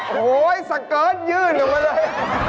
โอ้โฮสังเกิดยืนออกมาเลย